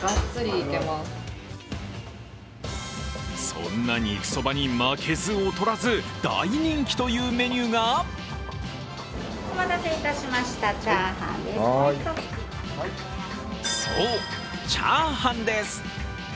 そんな肉ソバに負けず劣らず大人気というメニューがそう、チャーハンです。